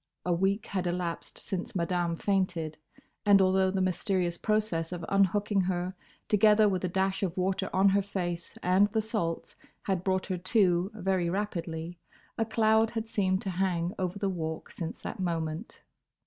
A week had elapsed since Madame fainted, and although the mysterious process of unhooking her, together with a dash of water on her face, and the salts, had brought her to very rapidly, a cloud had seemed to hang over the Walk since that moment.